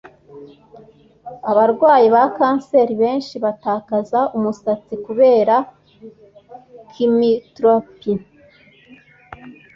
abarwayi ba kanseri benshi batakaza umusatsi kubera chimiotherapie